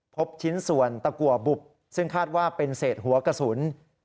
พบชิ้นส่วนตะกัวบุบซึ่งคาดว่าเป็นเศษหัวกระสุน